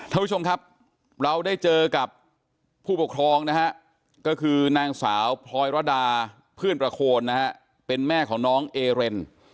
ท่านผู้ชมครับเราได้เจอกับผู้ปกครองนะฮะก็คือนางสาวพลอยรดาเพื่อนประโคนนะฮะเป็นแม่ของน้องเอเรน